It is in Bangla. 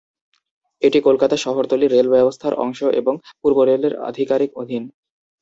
এটি কলকাতা শহরতলির রেল ব্যবস্থার অংশ এবং পূর্ব রেলের আধিকারিক অধীন।